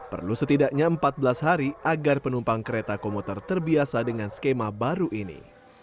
perlu setidaknya empat belas hari agar penumpang kereta komuter terbiasa dengan skema baru ini